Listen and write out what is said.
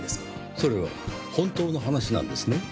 それは本当の話なんですね？